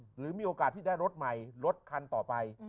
หรือมีโอกาสที่ได้รถใหม่รถคันต่อไป